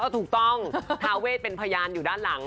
ถูกต้องทาเวทเป็นพยานอยู่ด้านหลัง